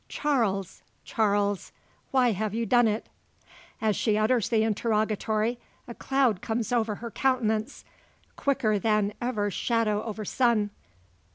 Charles! Charles! why have you done it?" As she utters the interrogatory a cloud comes over her countenance, quicker than ever shadow over sun.